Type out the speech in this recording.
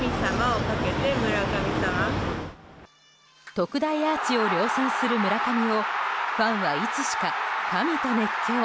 特大アーチを量産する村上をファンはいつしか、神と熱狂。